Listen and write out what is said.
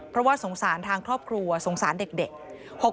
เพราะว่าสงสารทางครอบครัวสงสารเด็ก